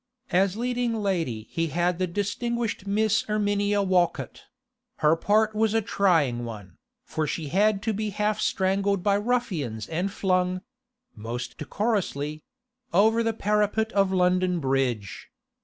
As leading lady he had the distinguished Miss Erminia Walcott; her part was a trying one, for she had to be half strangled by ruffians and flung—most decorously—over the parapet of London Bridge.